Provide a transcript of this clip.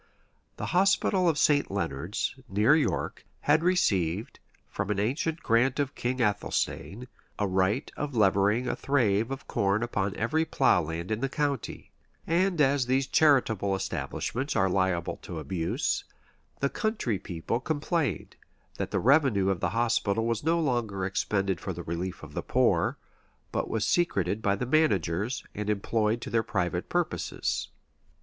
The hospital of St. Leonard's, near York, had received, from an ancient grant of King Athelstane, a right of levying a thrave of corn upon every plough land in the county; and as these charitable establishments are liable to abuse, the country people complained, that the revenue of the hospital was no longer expended for the relief of the poor, but was secreted by the managers, and employed to their private purposes.